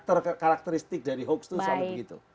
itu kalimat itu karakteristik dari hoax itu selalu begitu